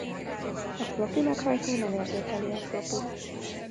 A floppy meghajtó nem érzékeli a floppyt.